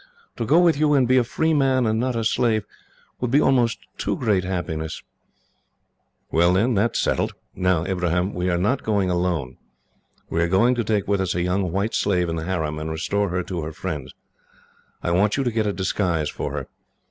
"To go with you and be a free man, and not a slave, would be almost too great happiness." "Very well, then, that is settled. Now, Ibrahim, we are not going alone. We are going to take with us a young white slave in the harem, and restore her to her friends. I want you to get a disguise for her.